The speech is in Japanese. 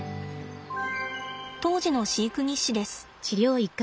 当時の飼育日誌です。